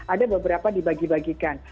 ada beberapa dibagi bagikan